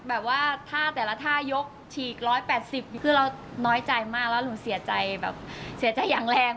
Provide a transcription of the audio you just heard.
แบบว่าถ้าแต่ละท่ายกฉีก๑๘๐คือเราน้อยใจมากแล้วหนูเสียใจแบบเสียใจอย่างแรง